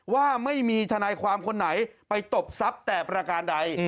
ว่าไม่มีทนายความคนไหนไปตบทรัพย์แต่ประการใด